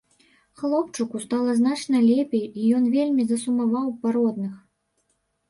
Хлопчыку стала значна лепей і ён вельмі засумаваў па родных.